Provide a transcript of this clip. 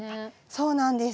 そうなんです。